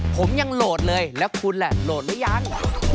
ผมยังโหลดเลยแล้วคุณล่ะโหลดหรือยัง